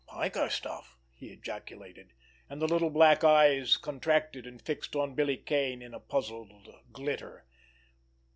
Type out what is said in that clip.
"Piker stuff!" he ejaculated, and the little black eyes contracted and fixed on Billy Kane in a puzzled glitter.